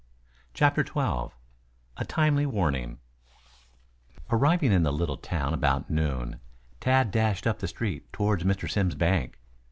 CHAPTER XII A TIMELY WARNING Arriving in the little town about noon, Tad dashed up the street toward Mr. Simms' bank.